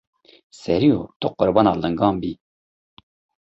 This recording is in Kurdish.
Seriyo tu qurbana lingan bî.